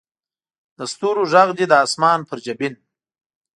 د ستورو ږغ دې د اسمان پر جبین